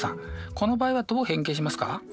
この場合はどう変形しますか？